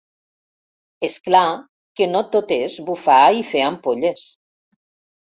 És clar que no tot és bufar i fer ampolles.